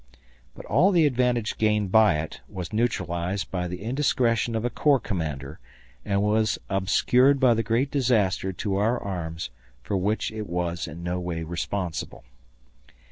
But all the advantage gained by it was neutralized by the indiscretion of a corps commander and was obscured by the great disaster to our arms for which it was in no way responsible.